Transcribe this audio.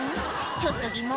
ちょっと疑問